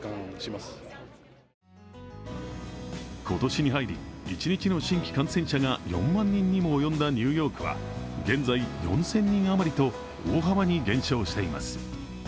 今年に入り、一日の新規感染者が４万人にも及んだニューヨークは現在、４０００人余りと大幅に減少しています。